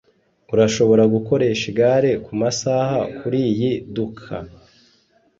urashobora gukoresha igare kumasaha kuriyi duka.